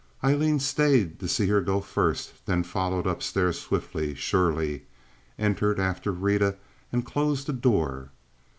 Aileen stayed to see her go first, then followed up stairs swiftly, surely, entered after Rita, and closed the door.